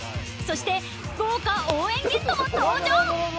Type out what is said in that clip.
そして豪華応援ゲストも登場！